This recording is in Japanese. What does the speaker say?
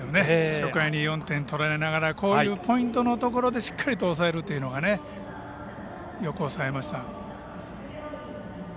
初回に４点を取られながらこういうポイントのところでしっかりと抑えるというのがねよく抑えました。